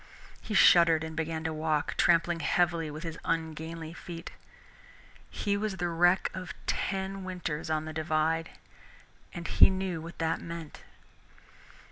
He shuddered and began to walk, trampling heavily with his ungainly feet. He was the wreck of ten winters on the Divide and he knew what that meant.